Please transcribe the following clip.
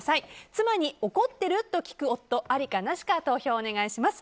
妻に怒ってる？と聞いてくる夫ありかなしか投票をお願いします。